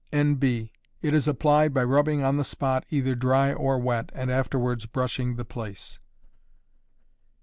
N. B. It is applied by rubbing on the spot either dry or wet, and afterwards brushing the place.